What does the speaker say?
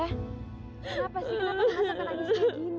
kenapa sih kenapa kamu asalkan aja saya gini